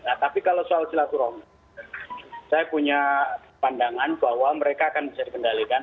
nah tapi kalau soal silaturahmi saya punya pandangan bahwa mereka akan bisa dikendalikan